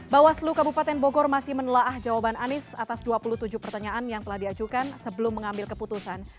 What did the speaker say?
bawaslu kabupaten bogor masih menelaah jawaban anies atas dua puluh tujuh pertanyaan yang telah diajukan sebelum mengambil keputusan